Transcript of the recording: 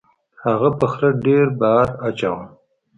هغه په خره ډیر بار اچاوه.